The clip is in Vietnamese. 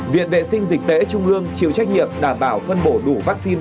viện vệ sinh dịch tễ trung ương chịu trách nhiệm đảm bảo phân bổ đủ vaccine